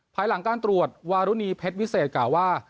ภายหลังการตรวจวารุณีเพชรวิเศษกล่าวว่า